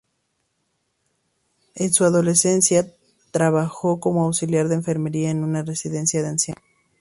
En su adolescencia, trabajó como auxiliar de enfermería en una residencia de ancianos.